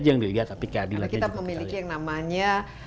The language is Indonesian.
yang dilihat tapi keadilan juga karena kita memiliki yang namanya